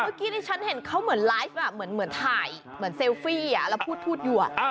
เมื่อกี้ที่ฉันเห็นเขาเหมือนไลฟ์เหมือนถ่ายเหมือนเซลฟี่แล้วพูดอยู่